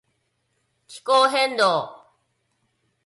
気候変動